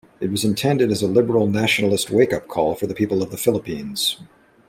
It was intended as a liberal-nationalist wake-up call for the people of the Philippines.